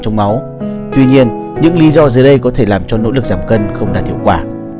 tuy nhiên những lý do dưới đây có thể làm cho nỗ lực giảm cân không đạt hiệu quả